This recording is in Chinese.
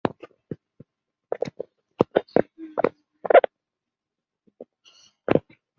代顿镇区为美国堪萨斯州菲利普斯县辖下的镇区。